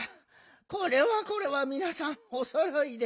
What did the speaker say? これはこれはみなさんおそろいで。